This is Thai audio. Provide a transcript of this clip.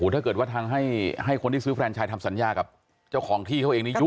ถ้าเกิดว่าทางให้คนที่ซื้อแฟนชายทำสัญญากับเจ้าของที่เขาเองนี้ยุบ